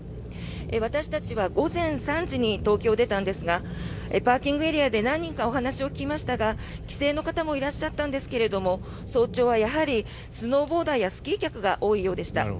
私たちは午前３時に東京を出たんですがパーキングエリアで何人かお話を聞きましたが帰省の方もいらっしゃったんですが早朝は、やはりスノーボーダーやスキー客が多いようでした。